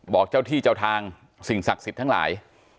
บอกเจ้าที่เจ้าทางสิ่งศักดิ์สิทธิ์ทั้งหลาย